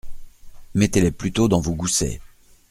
Mettez-les plutôt dans vos goussets.